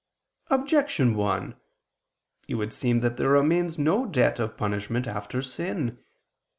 Objection 1: It would seem that there remains no debt of punishment after sin.